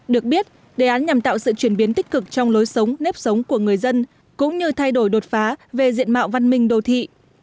được biết đề án nhằm tạo sự chuyển biến tích cực trong lối sống nếp sống của người dân cũng như thay đổi đột phá về diện mạo văn minh đô thị